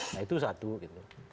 nah itu satu gitu